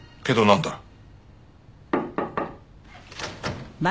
けどなんだ？